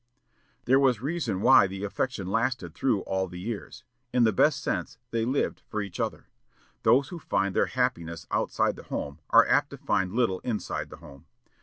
There was reason why the affection lasted through all the years; in the best sense they lived for each other. Those who find their happiness outside the home are apt to find little inside the home.